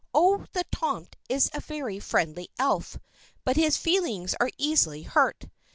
Oh, the Tomt is a very friendly Elf, but his feelings are easily hurt!